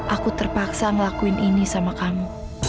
aku terpaksa ngelakuin ini sama kamu